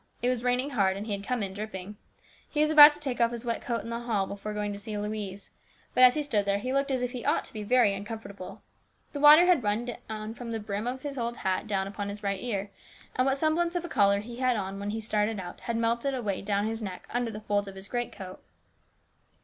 It was raining hard and he had come in dripping. He was about to take off his wet coat in the hall before going to see Louise, but as he stood there he looked as if he ought to be very uncomfortable. The water had run from the brim of his old hat down upon his right ear, and what semblance of a collar he had on when he started out 308 HIS BROTHER'S KEEPER had melted away down his neck under the folds of his greatcoat.